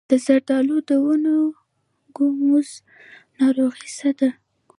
د زردالو د ونو ګوموز ناروغي څه ده؟